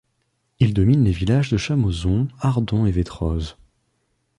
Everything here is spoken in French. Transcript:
Il domine les villages de Chamoson, Ardon et Vétroz.